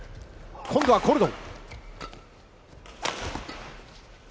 今度はコルドン。